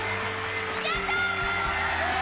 やったー！